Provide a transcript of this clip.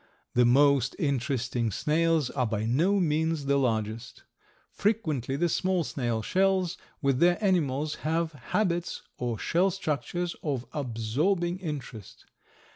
The most interesting snails are by no means the largest. Frequently the small snail shells with their animals have habits or shell structures of absorbing interest.